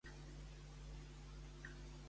Per què Enlil era la divinitat més important?